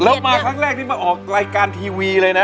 แล้วมาครั้งแรกนี่มาออกรายการทีวีเลยนะ